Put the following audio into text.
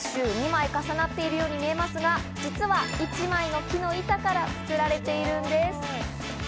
２枚重なっているように見えますが、実は一枚の木の板から作られているんです。